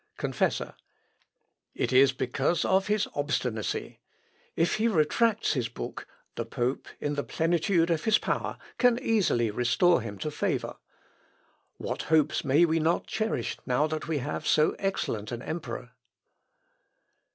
Confessor. "It is because of his obstinacy. If he retracts his book, the pope, in the plenitude of his power, can easily restore him to favour. What hopes may we not cherish now that we have so excellent an emperor!..."